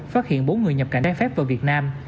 phát hiện bốn người nhập cảnh trái phép vào việt nam